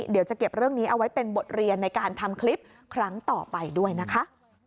เดี๋ยวจะเก็บเรื่องนี้เอาไว้เป็นบทเรียนในการทำคลิปครั้งต่อไปด้วยนะคะ